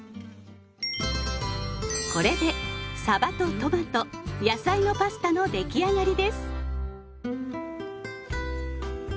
これで「さばとトマト、野菜のパスタ」の出来上がりです！